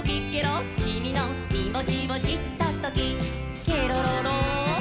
「キミのきもちをしったときケロロロッ！」